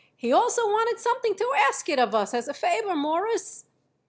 He also wanted something to ask it of us as a favor, Mawruss."